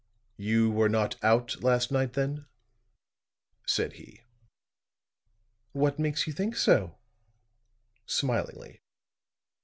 "You were not out last night, then?" said he. "What makes you think so?" smilingly.